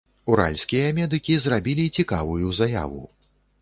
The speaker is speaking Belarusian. Уральскія медыкі зрабілі цікавую заяву.